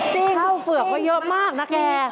จริงเข้าเฝือกมาเยอะมากนะแก